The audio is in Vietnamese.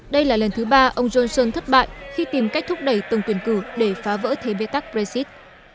đây là lần thứ ba ông johnson thất bại khi tìm cách thúc đẩy tổng tuyển cử để phá vỡ thế bê tắc brexit